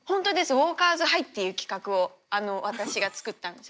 ウォーカーズハイっていう企画を私が作ったんです。